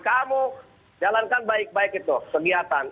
kamu jalankan baik baik itu kegiatan